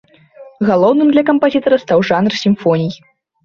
Галоўным для кампазітара стаў жанр сімфоній.